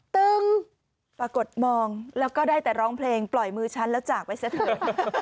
ตึงปรากฏมองแล้วก็ได้แต่ร้องเพลงปล่อยมือฉันแล้วจากไปซะเถอะ